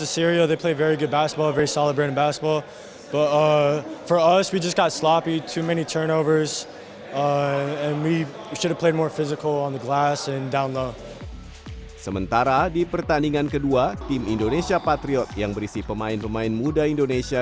sementara di pertandingan kedua tim indonesia patriot yang berisi pemain pemain muda indonesia